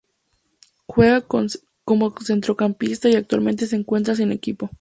Juega como centrocampista y actualmente se encuentra sin equipo.